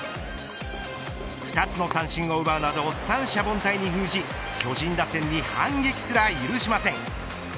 ２つの三振を奪うなど三者凡退に封じ巨人打線に反撃すら許しません。